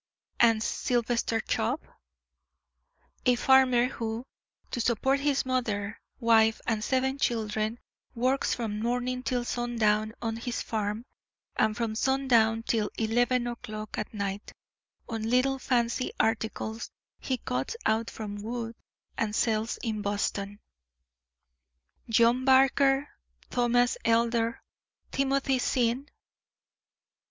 "And Sylvester Chubb?" "A farmer who, to support his mother, wife, and seven children, works from morning till sundown on his farm, and from sundown till 11 o'clock at night on little fancy articles he cuts out from wood and sells in Boston." "John Barker, Thomas Elder, Timothy Sinn?"